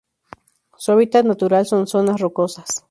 Su hábitat natural son: zonas rocosas.